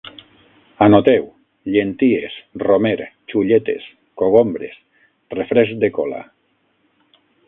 Anoteu: llenties, romer, xulletes, cogombres, refresc de cola